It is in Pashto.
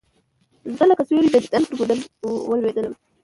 زه لکه سیوری د دیدن پر گودر ولوېدلم